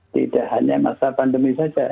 tidak hanya masa pandemi saja